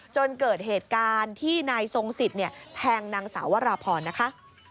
จนเกิดเหตุการณ์ที่นายทรงสิทธิ์แทงนางสาววราพรนะคะ